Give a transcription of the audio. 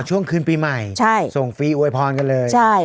ช่วงคืนปีใหม่ส่งฟรีอวยพรกันเลย